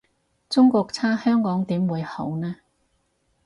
中國差香港點會好呢？